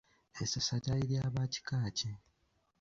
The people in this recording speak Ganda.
Essasa lyali lya ba kika ki?